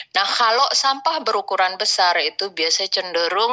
nah kalau sampah berukuran besar itu biasanya cenderung